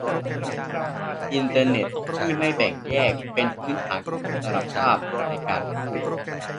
อินเตอร์เน็ตที่ไม่แบ่งแยกเป็นพื้นฐานของอิสรภาพในการพูด